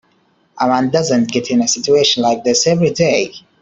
A man doesn't get in a situation like this every day.